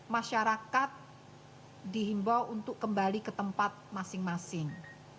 masyarakat dihimbau untuk kembali ke tempat masing masing